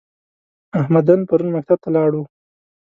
احمدن پرون مکتب ته لاړ و؟